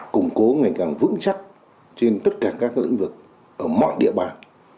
củng cố ngày càng vững chắc trên tất cả các lĩnh vực ở mọi địa bàn